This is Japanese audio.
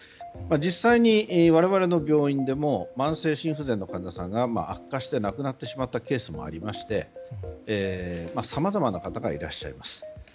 実際に、我々の病院でも慢性心不全の患者さんが悪化して亡くなってしまったケースもありましてさまざまな方がいらっしゃいます。